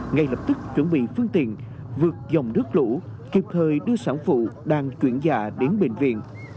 ngay lập tức chuẩn bị phương tiện vượt dòng nước lũ kịp thời đưa sản phụ đang chuyển dạ đến bệnh viện